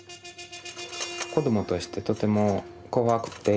子どもとしてとても怖くて。